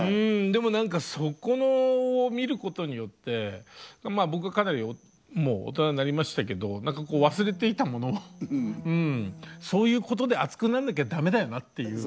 でも何かそこを見ることによって僕かなりもう大人になりましたけど何かこう忘れていたものをそういうことで熱くなんなきゃ駄目だよなっていう。